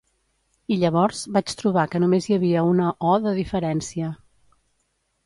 I llavors vaig trobar que només hi havia una o de diferència.